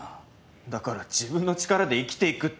だから自分の力で生きていくって言ってるだろ。